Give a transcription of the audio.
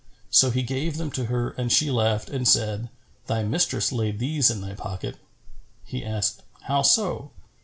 So he gave them to her and she laughed and said, "Thy mistress laid these in thy pocket." He asked, "How so?"